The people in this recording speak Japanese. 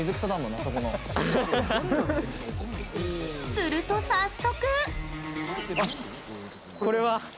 すると、早速。